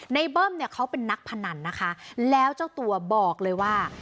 เบิ้มเนี่ยเขาเป็นนักพนันนะคะแล้วเจ้าตัวบอกเลยว่า